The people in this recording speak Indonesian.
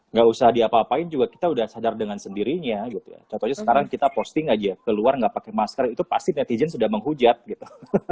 nggak usah diapa apain juga kita udah sadar dengan sendirinya gitu ya contohnya sekarang kita posting aja keluar nggak pakai masker itu pasti netizen sudah menghujat gitu